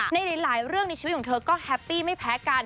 ในหลายเรื่องในชีวิตของเธอก็แฮปปี้ไม่แพ้กัน